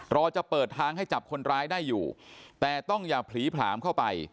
จะเปิดทางให้จับคนร้ายได้อยู่แต่ต้องอย่าผลีผลามเข้าไป